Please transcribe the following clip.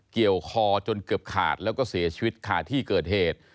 เกี่ยวคอจนเกือบขาดแล้วก็เสียชีวิตขาดที่เกิดเหตุ